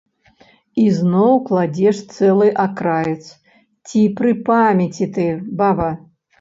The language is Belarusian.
Ізноў кладзеш цэлы акраец, ці пры памяці ты, баба?